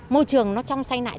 môi trường nó trong say nại